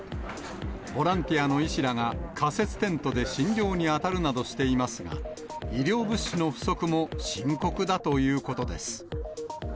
ボランティアの医師らが仮設テントで診療に当たるなどしていますが、医療物資の不足も深刻だということです。